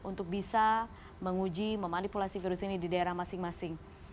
untuk bisa menguji memanipulasi virus ini di daerah masing masing